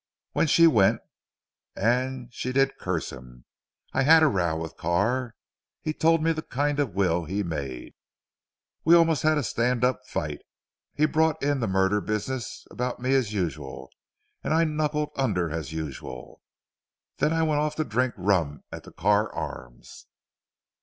When she went and she did curse him I had a row with Carr. He told me the kind of will he'd made. We had almost a stand up fight. He brought in the murder business about me as usual, and I knuckled under as usual. Then I went off to drink rum at the Carr Arms."